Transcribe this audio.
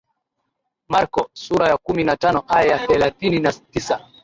Marko sura ya kumi na tano aya ya thelathini na tisa